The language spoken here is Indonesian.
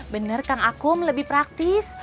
bener kang akum lebih praktis